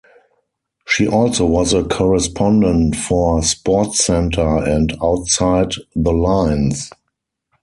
She also was a correspondent for "SportsCenter" and "Outside the Lines".